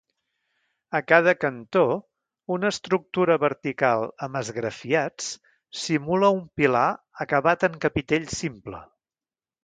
A cada cantó, una estructura vertical amb esgrafiats simula un pilar acabat en capitell simple.